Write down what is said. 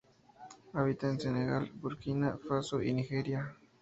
Habita en Senegal, Burkina Faso y Nigeria.